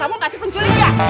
kamu pasti penculik ya